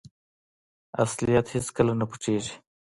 اصلیت هیڅکله نه پټیږي.